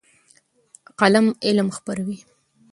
قلم علم خپروي.